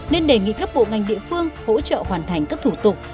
nên đề nghị các bộ ngành địa phương hỗ trợ hoàn thành các thủ tục